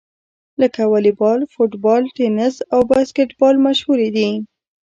لکه واليبال، فوټبال، ټېنیس او باسکیټبال مشهورې دي.